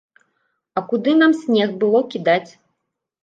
А куды нам снег было кідаць?